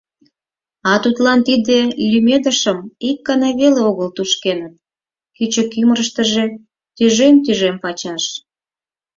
А тудлан тиде лӱмедышым ик гана веле огыл тушкеныт — кӱчык ӱмырыштыжӧ тӱжем-тӱжем пачаш.